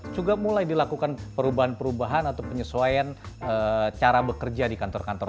juga mulai dilakukan perubahan perubahan atau penyesuaian cara bekerja di kantor kantor